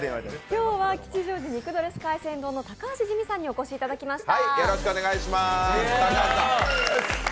今日は吉祥寺・肉ドレス海鮮丼の高橋児未さんにお越しいただきました。